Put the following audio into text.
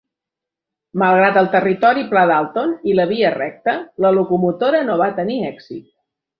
Malgrat el territori pla d'Alton i la via recta, la locomotora no va tenir èxit.